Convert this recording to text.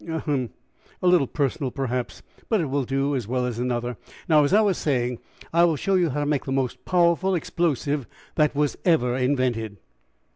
"Ahem! a little personal, perhaps, but it will do as well as another. Now, as I was saying, I will show you how to make the most powerful explosive that was ever invented."